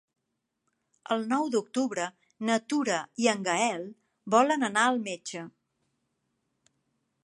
El nou d'octubre na Tura i en Gaël volen anar al metge.